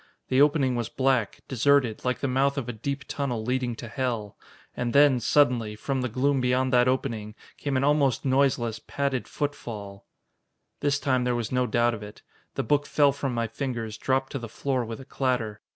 The opening was black, deserted, like the mouth of a deep tunnel, leading to hell. And then, suddenly, from the gloom beyond that opening, came an almost noiseless, padded footfall!" This time there was no doubt of it. The book fell from my fingers, dropped to the floor with a clatter.